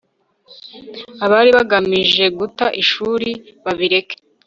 abari bagamije guta ishuri babireke